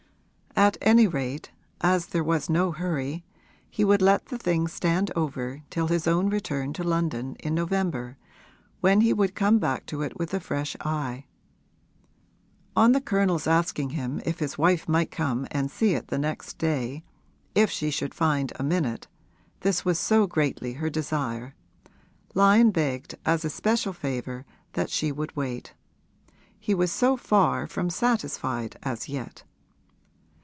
At any rate, as there was no hurry, he would let the thing stand over till his own return to London, in November, when he would come back to it with a fresh eye. On the Colonel's asking him if his wife might come and see it the next day, if she should find a minute this was so greatly her desire Lyon begged as a special favour that she would wait: he was so far from satisfied as yet.